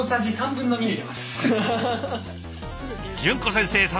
淳子先生